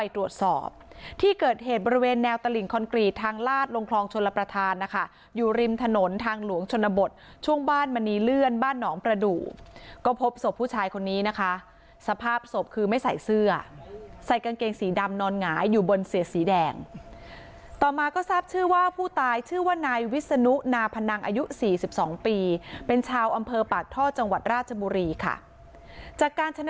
ตรวจสอบที่เกิดเหตุบริเวณแนวตลิ่งคอนกรีตทางลาดลงคลองชลประธานนะคะอยู่ริมถนนทางหลวงชนบทช่วงบ้านมณีเลื่อนบ้านหนองประดูกก็พบศพผู้ชายคนนี้นะคะสภาพศพคือไม่ใส่เสื้อใส่กางเกงสีดำนอนหงายอยู่บนเสียสีแดงต่อมาก็ทราบชื่อว่าผู้ตายชื่อว่านายวิศนุนาพนังอายุ๔๒ปีเป็นชาวอำเภอปากท่อจังหวัดราชบุรีค่ะจากการชนะ